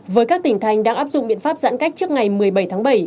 với các tỉnh thành đang áp dụng biện pháp giãn cách trước ngày một mươi bảy tháng bảy